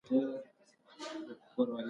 شورا ولې اصل دی؟